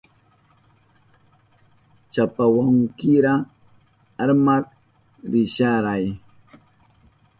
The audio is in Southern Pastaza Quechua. Chapawankira armak risharaya.